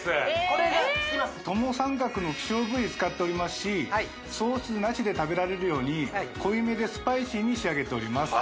これがつきますともさんかくの希少部位使っておりますしソースなしで食べられるように濃い目でスパイシーに仕上げております